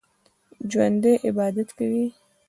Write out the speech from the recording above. ژوندي عبادت کوي